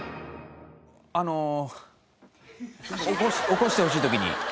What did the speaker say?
あの起こしてほしい時に。